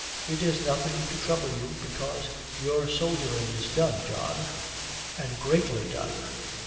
It is nothing to trouble you, because your soldiering is done, John; and greatly done.